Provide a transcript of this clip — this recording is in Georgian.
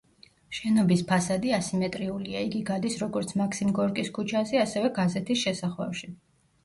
შენობის ფასადი ასიმეტრიულია, იგი გადის როგორც მაქსიმ გორკის ქუჩაზე, ასევე გაზეთის შესახვევში.